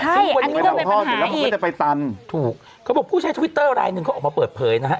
ใช่อันนี้ก็เป็นปัญหาอีกแล้วก็จะไปตันถูกเขาบอกผู้ใช้ทวิตเตอร์ไลน์หนึ่งเขาออกมาเปิดเผยนะฮะ